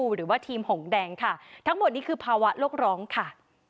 หรือว่าทีมหงแดงค่ะทั้งหมดนี้คือภาวะโลกร้องค่ะ